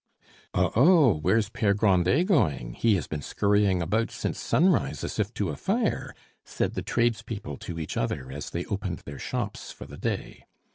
"Oh! oh! where's Pere Grandet going? He has been scurrying about since sunrise as if to a fire," said the tradespeople to each other as they opened their shops for the day.